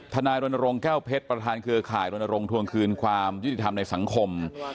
นายรณรงค์แก้วเพชรประธานเครือข่ายรณรงค์ทวงคืนความยุติธรรมในสังคม